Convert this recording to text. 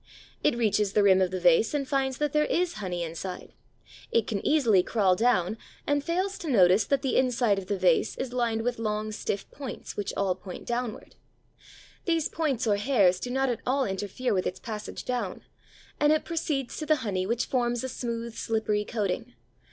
It reaches the rim of the vase and finds that there is honey inside; it can easily crawl down, and fails to notice that the inside of the vase is lined with long stiff points which all point downwards. These points or hairs do not at all interfere with its passage down, and it proceeds to the honey which forms a smooth, slippery coating.